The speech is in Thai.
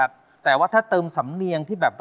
อยากแต่งานกับเธออยากแต่งานกับเธอ